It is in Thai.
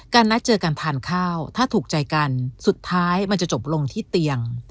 นัดเจอกันทานข้าวถ้าถูกใจกันสุดท้ายมันจะจบลงที่เตียง